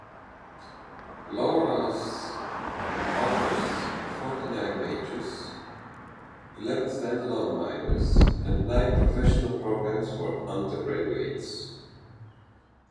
Loras offers forty-nine majors, eleven stand-alone minors, and nine pre-professional programs for undergraduates.